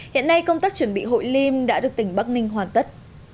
hiện nay công tác chuẩn bị hội lim đã được tỉnh bắc ninh hoàn tất